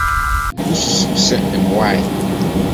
Wususuw sɛ ɛboae?